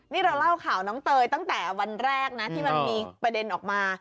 นี่เราเล่าข่าวน้องเตยตั้งแต่วันแรกนะที่มันมีประเด็นออกมา